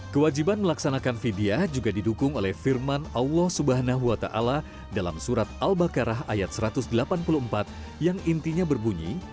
kewajiban melaksanakan vidya juga didukung oleh firman allah swt dalam surat al bakarah ayat satu ratus delapan puluh empat yang intinya berbunyi